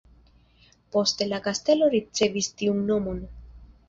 Poste la kastelo ricevis tiun nomon.